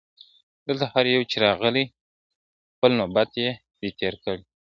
دلته هر یو چي راغلی خپل نوبت یې دی تېر کړی ..